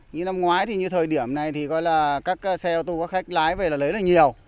như năm ngoái thì như thời điểm này thì gọi là các xe ô tô có khách lái về là lấy là nhiều